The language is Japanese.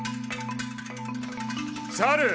猿！